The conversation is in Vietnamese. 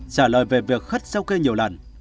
trả lời về việc khất sau kê nhiều lần